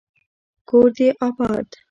کور دي اباد